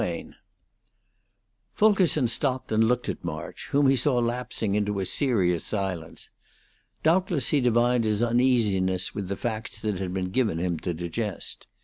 XII. Fulkerson stopped and looked at March, whom he saw lapsing into a serious silence. Doubtless he divined his uneasiness with the facts that had been given him to digest.